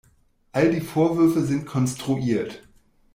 All die Vorwürfe sind konstruiert.